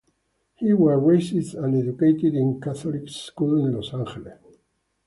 He was raised and educated in Catholic schools in Los Angeles.